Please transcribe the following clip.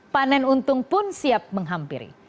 panen untung pun siap menghampiri